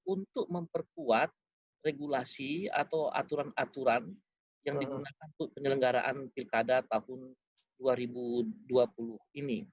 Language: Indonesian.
untuk memperkuat regulasi atau aturan aturan yang digunakan untuk penyelenggaraan pilkada tahun dua ribu dua puluh ini